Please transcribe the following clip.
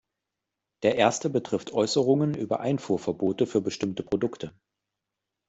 Der erste betrifft Äußerungen über Einfuhrverbote für bestimmte Produkte.